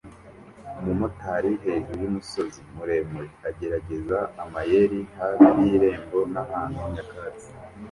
Umumotari hejuru yumusozi muremure agerageza amayeri hafi y irembo n’ahantu nyakatsi